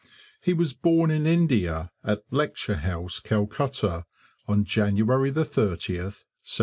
He was born in India, at Lecture House, Calcutta, on January 30, 1785.